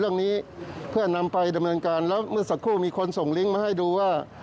เรื่องนี้เพื่อนำไปดำเนินการแล้วเมื่อสักครู่มีคนส่งลิงก์มาให้ดูว่า